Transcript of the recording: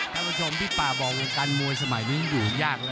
ท่านผู้ชมพี่ป่าบอกวงการมวยสมัยนี้อยู่ยากแล้ว